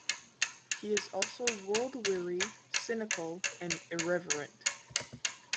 He is also world-weary, cynical and irreverent.